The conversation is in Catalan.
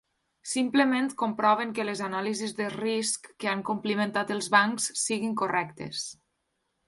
Simplement comproven que les anàlisis de risc que han complimentat els bancs siguin correctes.